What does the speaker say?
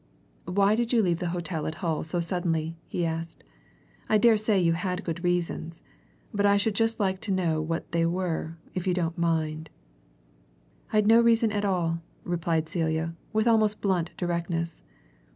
"Why did you leave the hotel at Hull so suddenly?" he asked. "I daresay you had good reasons, but I should just like to know what they were, if you don't mind." "I'd no reason at all," replied Celia, with almost blunt directness.